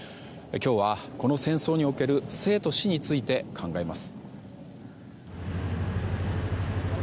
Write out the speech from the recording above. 今日は、この戦争における生と死について考えます。